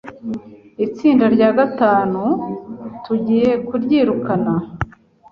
Itsinda rya gatanu tugiye kuryirukana